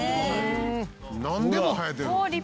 「なんでも生えてる」